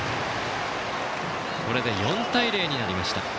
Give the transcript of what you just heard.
これで４対０になりました。